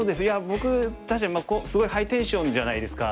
僕すごいハイテンションじゃないですか。